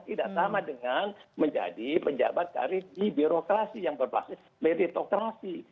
tidak sama dengan menjadi penjabat dari di birokrasi yang berbasis meritokrasi